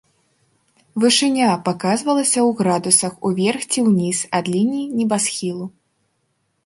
Вышыня паказвалася ў градусах уверх ці ўніз ад лініі небасхілу.